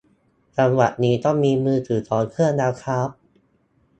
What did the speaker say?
จังหวะนี้ต้องมีมือถือสองเครื่องแล้วครับ